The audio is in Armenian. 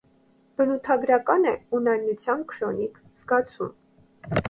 Բնութագրական է «ունայնության» քրոնիկ զգացում։